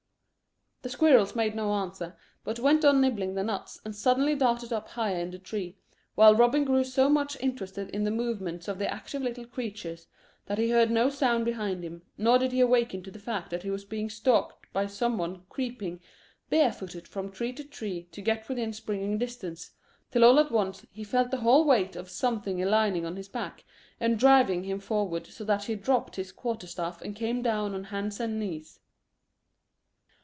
The squirrels made no answer, but went on nibbling the nuts, and suddenly darted up higher in the tree, while Robin grew so much interested in the movements of the active little creatures that he heard no sound behind him, nor did he awaken to the fact that he was being stalked by some one creeping bare footed from tree to tree to get within springing distance, till all at once he felt the whole weight of something alighting on his back and driving him forward so that he dropped his quarter staff and came down on hands and knees.